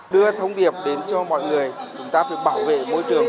đưa thông điệp đến cho mọi người chúng ta phải bảo vệ môi trường